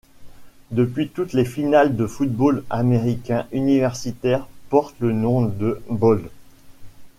Depuis toutes les finales de football américains universitaires portent le nom de bowl.